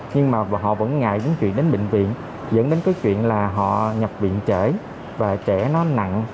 nhưng mà họ vẫn ngại đến chuyện đến bệnh viện dẫn đến cái chuyện là họ nhập viện trẻ và trẻ nó nặng